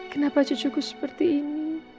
kenapa cucuku seperti ini